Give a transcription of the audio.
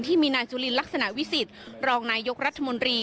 ที่มีนายจุลินลักษณะวิสิทธิ์รองนายยกรัฐมนตรี